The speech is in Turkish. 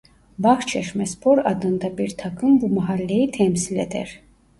Bağçeşmespor adında bir takım bu mahalleyi temsil eder.